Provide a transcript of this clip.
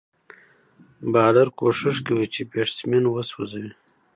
بالر کوښښ کوي، چي بېټسمېن وسوځوي.